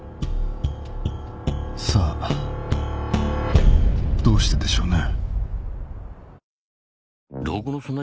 さあどうしてでしょうね。